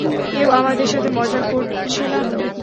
কেউ আমাদের সাথে মজা করছে নাতো?